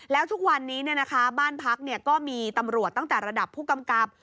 แล้วทุกวันนี้บ้านพักก็มีตำรวจตั้งแต่ระดับผู้กำกับ